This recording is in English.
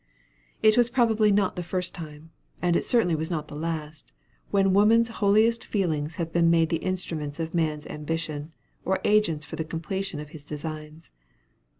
It probably was not the first time, and it certainly was not the last, when woman's holiest feelings have been made the instruments of man's ambition, or agents for the completion of his designs.